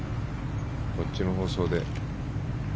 こっちの放送で。